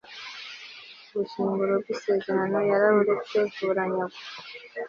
ubushyinguro bw'isezerano yaraburetse buranyagwa